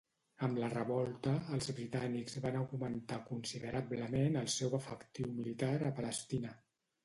Amb la revolta, els Britànics van augmentar considerablement el seu efectiu militar a Palestina.